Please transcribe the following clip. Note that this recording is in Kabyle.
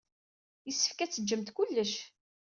Yessefk ad d-tejjemt kullec.